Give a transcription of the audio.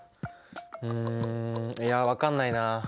うんいや分かんないな。